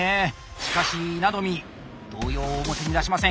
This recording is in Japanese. しかし稲冨動揺を表に出しません。